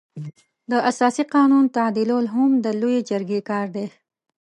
د اساسي قانون تعدیلول هم د لويې جرګې کار دی.